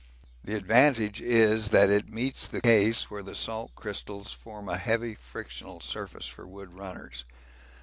The advantage is that it meets the case where the salt crystals form a heavy frictional surface for wood runners.